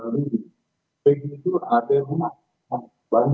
jadi menurut keterangan yang diberikan pada saudara pak rudi